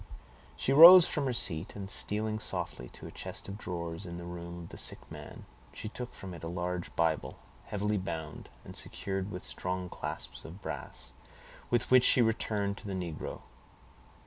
She rose from her seat, and stealing softly to a chest of drawers in the room of the sick man, she took from it a large Bible, heavily bound, and secured with strong clasps of brass, with which she returned to the negro.